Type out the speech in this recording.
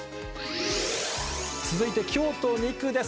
続いて京都２区です。